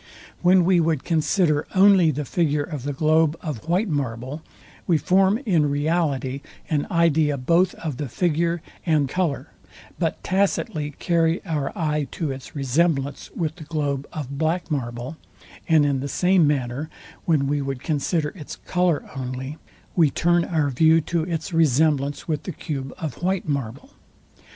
When we would consider only the figure of the globe of white marble, we form in reality an idea both of the figure and colour, but tacitly carry our eye to its resemblance with the globe of black marble: And in the same manner, when we would consider its colour only, we turn our view to its resemblance with the cube of white marble.